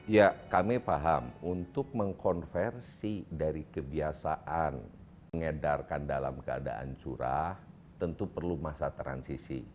ya kami paham untuk mengkonversi dari kebiasaan mengedarkan dalam keadaan curah tentu perlu masa transisi